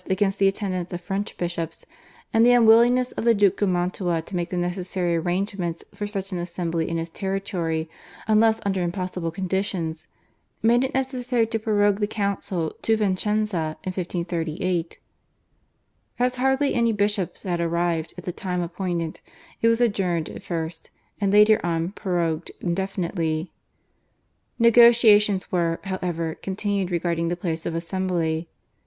against the attendance of French bishops, and the unwillingness of the Duke of Mantua to make the necessary arrangements for such an assembly in his territory unless under impossible conditions, made it necessary to prorogue the council to Vicenza in 1538. As hardly any bishops had arrived at the time appointed it was adjourned at first, and later on prorogued indefinitely. Negotiations were, however, continued regarding the place of assembly.